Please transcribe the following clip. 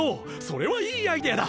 それはいいアイデアだ。